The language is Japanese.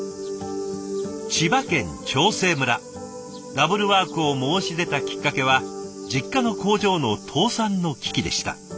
ダブルワークを申し出たきっかけは実家の工場の倒産の危機でした。